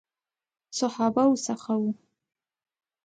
صحابه وو څخه وو.